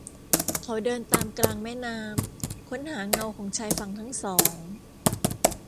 เขาเดินตามกลางแม่น้ำ ค้นหาเงาของชายฝั่งทั้งสอง